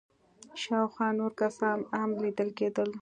شاوخوا نور کسان هم ليدل کېدل.